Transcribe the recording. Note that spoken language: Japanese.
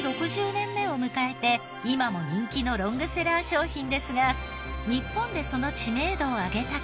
６０年目を迎えて今も人気のロングセラー商品ですが日本でその王貞治。